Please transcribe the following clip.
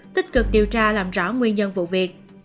tích cực điều tra làm rõ nguyên nhân vụ việc